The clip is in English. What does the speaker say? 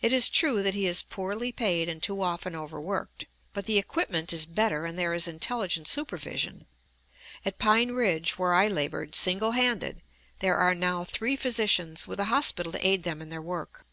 It is true that he is poorly paid and too often overworked; but the equipment is better and there is intelligent supervision. At Pine Ridge, where I labored single handed, there are now three physicians, with a hospital to aid them in their work.